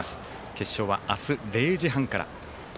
決勝は明日０時半から。